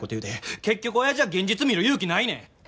結局、おやじは現実見る勇気ないねん。